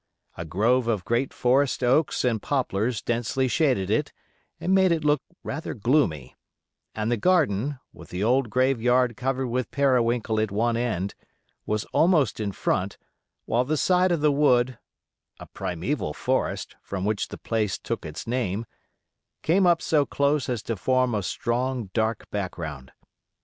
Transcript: A grove of great forest oaks and poplars densely shaded it, and made it look rather gloomy; and the garden, with the old graveyard covered with periwinkle at one end, was almost in front, while the side of the wood—a primeval forest, from which the place took its name—came up so close as to form a strong, dark background.